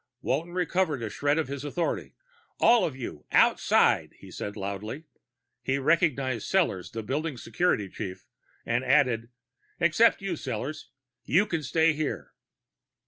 Walton recovered a shred of his authority. "All of you, outside!" he said loudly. He recognized Sellors, the building's security chief, and added, "Except you, Sellors. You can stay here."